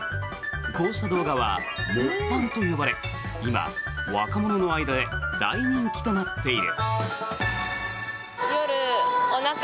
こうした動画はモッパンと呼ばれ今、若者の間で大人気となっている。